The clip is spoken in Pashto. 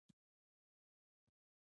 د چا په افرین او نفرين باندې نه دی اړ.